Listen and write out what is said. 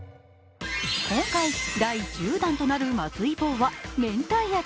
今回第１０弾となるまずい棒はめんたい味。